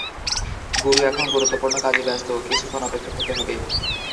গুরু এখন গুরুত্বপূর্ণ কাজে ব্যাস্ত, কিছুক্ষণ অপেক্ষা করতে হবে।